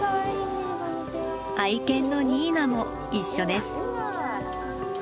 愛犬のニーナも一緒です。